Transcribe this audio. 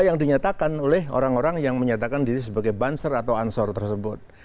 yang dinyatakan oleh orang orang yang menyatakan diri sebagai banser atau ansor tersebut